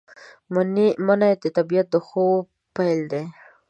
منی د طبیعت د خوب پیل دی